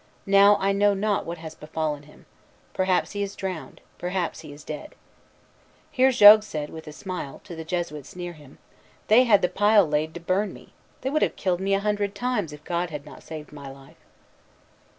Now I know not what has befallen him. Perhaps he is drowned. Perhaps he is dead." Here Jogues said, with a smile, to the Jesuits near him, "They had the pile laid to burn me. They would have killed me a hundred times, if God had not saved my life."